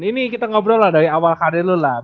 ini kita ngobrol lah dari awal karir lu lah